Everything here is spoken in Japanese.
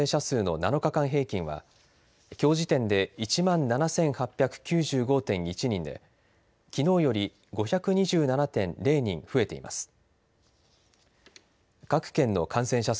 そして新規陽性者の数の７日間平均はきょう時点で１万７８９５．１人できのうより５２７．０人増えています。